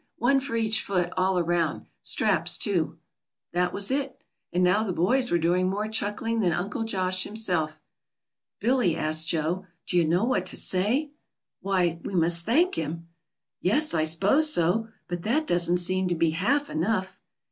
"One for each foot, all around. Straps too." That was it, and now the boys were doing more chuckling than Uncle Josh himself. "Billy," asked Joe, "do you know what to say?" "Why, we must thank him." "Yes, I s'pose so. But that doesn't seem to be half enough."